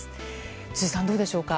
辻さん、どうでしょうか。